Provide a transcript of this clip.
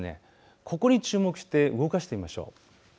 ここに注目して動かしてみましょう。